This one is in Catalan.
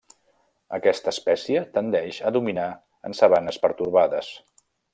Aquesta espècie tendeix a dominar en sabanes pertorbades.